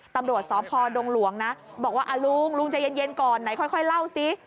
ตำรวจสพดงหลวงนะบอกว่าลุงลุงใจเย็นก่อนไหนค่อยเล่าซิ